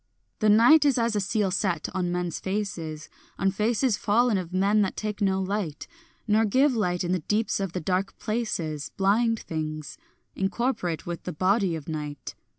The night is as a seal set on men's faces, On faces fallen of men that take no light, Nor give light in the deeps of the dark places, Blind things, incorporate with the body of night.